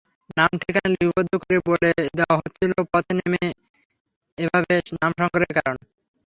নাম-ঠিকানা লিপিবদ্ধ করে বলে দেওয়া হচ্ছিল পথে নেমে এভাবে নাম সংগ্রহের কারণ।